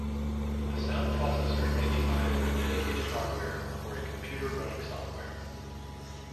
The sound processor may be either dedicated hardware, or a computer running software.